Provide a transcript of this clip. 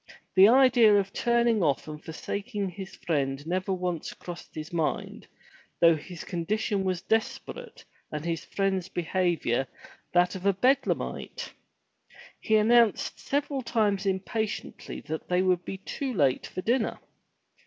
The idea of turning off and forsaking his friend never once crossed his mind, though his condition was desperate, and his friend's behavior that of a Bedlamite. He announced several times impatiently that they would be too late for dinner.